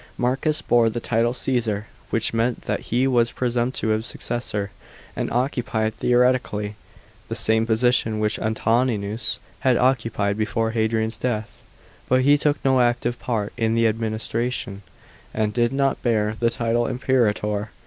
Marcus bore the title Caesar, which meant that he was presumptive successor; and occupied, theoretically, the same position which Antoninus had occupied before Hadrian's death. But he took no active p >rt in the administration, and did not bear the title Imperator.